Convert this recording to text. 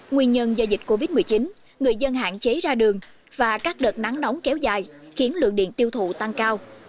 nguyên nhân do dịch covid một mươi chín người dân hạn chế ra đường và các đợt nắng nóng kéo dài khiến lượng điện tiêu thụ tăng cao